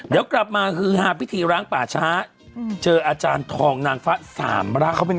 เดี๋ยวกลับมาคือหาพิธีร้างป่าช้าเจออาจารย์ทองนางฟะสามร้าง